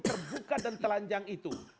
terbuka dan telanjang itu